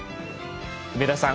梅田さん